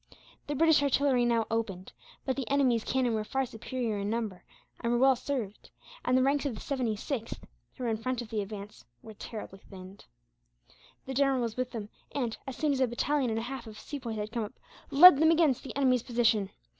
The British artillery now opened, but the enemy's cannon were far superior in number, and were well served; and the ranks of the 76th, who were in front of the advance, were terribly thinned. The general was with them and, as soon as a battalion and a half of Sepoys had come up, led them against the enemy's position.